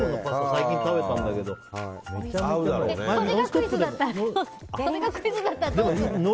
最近食べたんだけどそれがクイズだったらどうするの？